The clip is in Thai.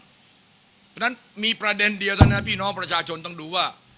เพราะฉะนั้นมีประเด็นเดียวเท่านั้นพี่น้องประชาชนต้องดูว่า